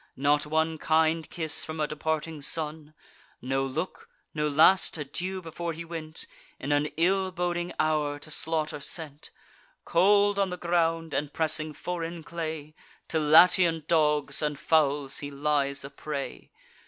Not one kind kiss from a departing son! No look, no last adieu before he went, In an ill boding hour to slaughter sent! Cold on the ground, and pressing foreign clay, To Latian dogs and fowls he lies a prey!